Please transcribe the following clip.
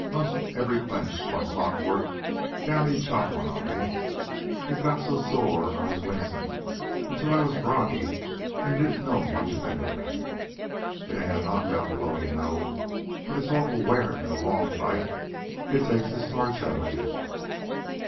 'Most every clench, like clock work, down he'd chop one on me. It got so sore I was wincin'... until I got groggy an' didn't know much of anything. It ain't a knockout blow, you know, but it's awful wearin' in a long fight. It takes the starch out of you."